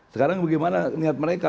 sekarang bagaimana niat mereka